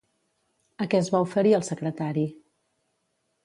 A què es va oferir el secretari?